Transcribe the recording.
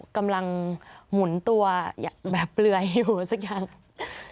กำลังหมุนตัวแบบเปลือยอยู่สักอย่าง